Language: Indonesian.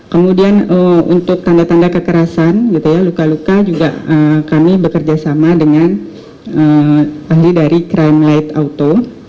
kemudian untuk tanda tanda kekerasan luka luka juga kami bekerja sama dengan ahli dari crime light auto